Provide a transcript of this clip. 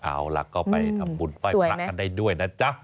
เอาล่ะก็ไปทำบุญไหว้พระกันได้ด้วยนะจ๊ะ